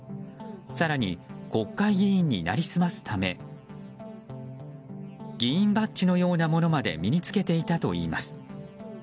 更に国会議員になりすますため議員バッジのようなものまで身に着けていたといいます。